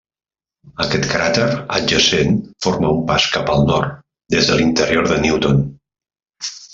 Aquest cràter adjacent forma un pas cap al nord des de l'interior de Newton.